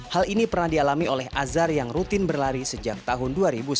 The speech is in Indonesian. hal ini pernah dialami oleh azhar yang rutin berlari sejak tahun dua ribu sepuluh